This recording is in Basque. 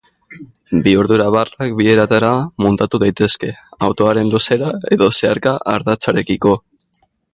Bihurdura-barrak bi eratara muntatu daitezke: autoaren luzera- edo zeharka- ardatzarekiko.